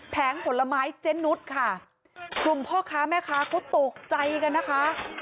ผลไม้เจนุสค่ะกลุ่มพ่อค้าแม่ค้าเขาตกใจกันนะคะ